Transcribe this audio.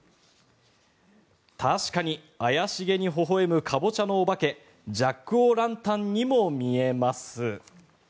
確かに怪しげにほほ笑むカボチャのお化けジャック・オ・ランタンにも見えます。